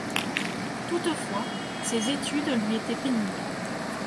Toutefois, ses études lui étaient pénibles.